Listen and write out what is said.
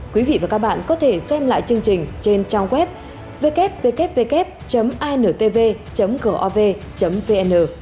quý vị và các bạn có thể xem lại chương trình trên trang web www intv gov vn